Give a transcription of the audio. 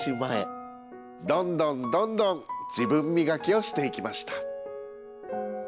どんどんどんどん自分磨きをしていきました。